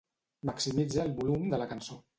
Maximitza el volum de la cançó.